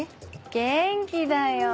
元気だよ。